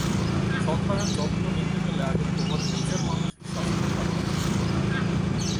সন্তানের যত্ন নিতে গেলে আগে তোমার নিজের মানসিক স্বাস্থ্য ভালো রাখতে হবে।